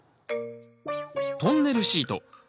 トンネルシート。